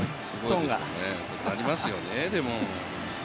上がりますよね、でも。